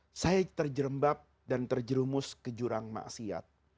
saya terjerembab dan terjerumus ke jurang maksiat